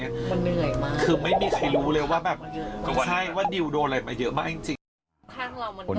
มันเหนื่อยมากคือไม่มีใครรู้เลยว่าแบบใช่ว่าดิวโดนอะไรมาเยอะมากจริง